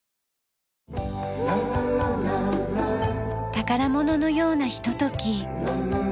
宝物のようなひととき。